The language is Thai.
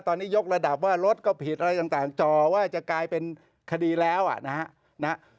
ตอนนี้ยกระดับว่ารถก็ผิดอะไรต่างจ่อว่าจะกลายเป็นคดีแล้วนะฮะ